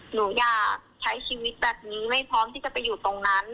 หนูอยากใช้ชีวิตแบบนี้ไม่พร้อมที่จะไปอยู่ตรงนั้น